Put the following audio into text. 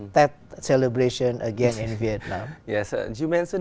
tôi rất thích